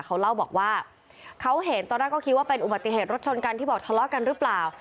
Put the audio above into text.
เขาเล่าบอกว่าเขาเห็นตอนแรกก็คิดว่าเป็นอุบัติเหตุรถชนกันที่บอกทะเลาะกันหรือเปล่า